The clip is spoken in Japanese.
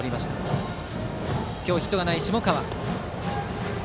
打席は今日ヒットがない下川。